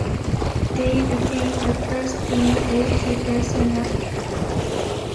Day became the first team goalkeeper soon after.